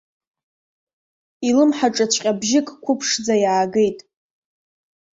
Илымҳаҿыҵәҟьа бжьык қәыԥшӡа иаагеит.